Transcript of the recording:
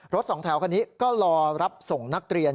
สองแถวคันนี้ก็รอรับส่งนักเรียน